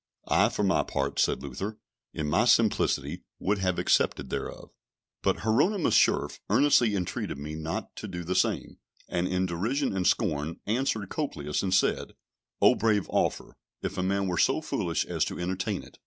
I, for my part, said Luther, in my simplicity, would have accepted thereof. But Hieronimus Schurfe earnestly entreated me not to do the same, and in derision and scorn, answered Cocleus and said, "O brave offer, if a man were so foolish as to entertain it!"